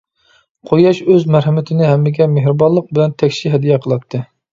قۇياش ئۆز مەرھەمىتىنى ھەممىگە مېھرىبانلىق بىلەن تەكشى ھەدىيە قىلاتتى.